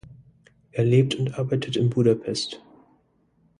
Er lebt und arbeitet in Budapest.